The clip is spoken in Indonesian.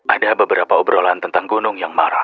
ada beberapa obrolan tentang gunung yang marah